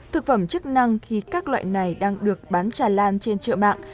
thực phẩm chức năng khi các loại này đang được bán trà lan trên chợ mạng